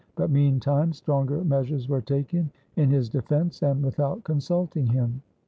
But meantime stronger measures were taken in his defense and without consulting him.